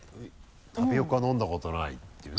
タピオカ飲んだことないっていうね。